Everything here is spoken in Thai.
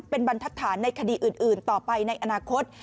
เป็นบรรทัศนในคดีอื่นต่อไปในอนาคต